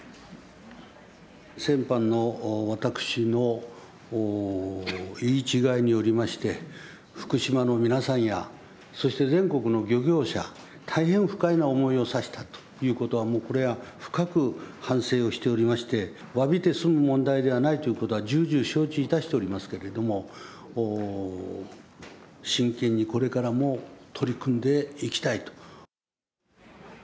先般の私の言い違いによりまして、福島の皆さんや、そして全国の漁業者、大変不快な思いをさせたということは、もうこれは深く反省をしておりまして、わびて済む問題じゃないということは重々承知いたしておりますけれども、真剣にこれからも取り組んでいきたいと。